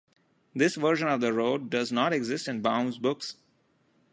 This version of the road does not exist in Baum's books.